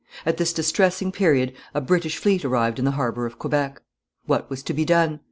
At this distressing period a British fleet arrived in the harbour of Quebec. What was to be done?